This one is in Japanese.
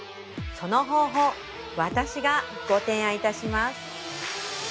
その方法私がご提案いたします